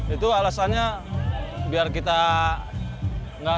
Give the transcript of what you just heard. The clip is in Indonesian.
itu alasannya biar kita lebih mudah